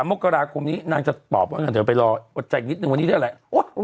๒๓โมกราคมนี้น่าจะตอบว่าเดี๋ยวไปรออุดใจนิดนึงวันนี้ได้ไหม